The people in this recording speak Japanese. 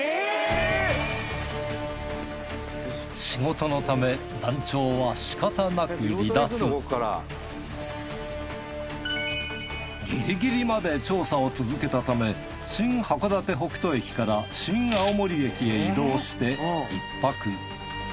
仕事のため団長は仕方なく離脱ギリギリまで調査を続けたため新函館北斗駅から新青森駅へ移動して１泊。